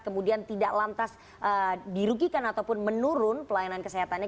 kemudian tidak lantas dirugikan ataupun menurun pelayanan kesehatannya